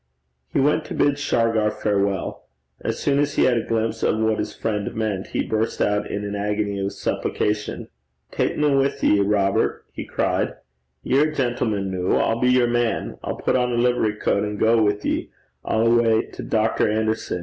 He went to bid Shargar farewell. As soon as he had a glimpse of what his friend meant, he burst out in an agony of supplication. 'Tak me wi' ye, Robert,' he cried. 'Ye're a gentleman noo. I'll be yer man. I'll put on a livery coat, an' gang wi' ye. I'll awa' to Dr. Anderson.